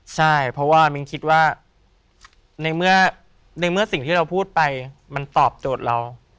ใช่เพราะว่ามิ้งคิดว่าในเมื่อในเมื่อสิ่งที่เราพูดไปมันตอบโจทย์เรา